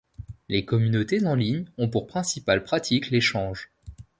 Les communautés en ligne ont pour principale pratique l’échange.